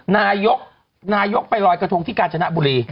นายกนายกไปลอยกระทงที่กาญจนบุรี